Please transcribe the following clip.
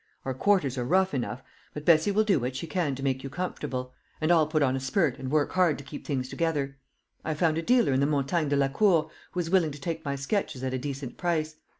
Our quarters are rough enough, but Bessie will do what she can to make you comfortable; and I'll put on a spurt and work hard to keep things together. I have found a dealer in the Montagne de la Cour, who is willing to take my sketches at a decent price.